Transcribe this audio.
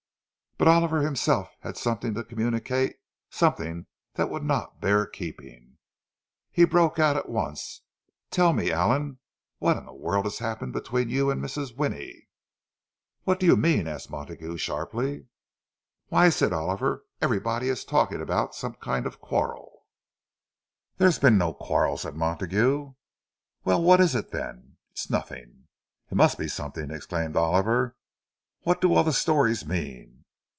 But Oliver himself had something to communicate something that would not bear keeping. He broke out at once—"Tell me, Allan! What in the world has happened between you and Mrs. Winnie?" "What do you mean?" asked Montague, sharply. "Why," said Oliver, "everybody is talking about some kind of a quarrel." "There has been no quarrel," said Montague. "Well, what is it, then?" "It's nothing." "It must be something!" exclaimed Oliver. "What do all the stories mean?"